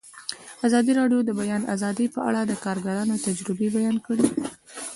ازادي راډیو د د بیان آزادي په اړه د کارګرانو تجربې بیان کړي.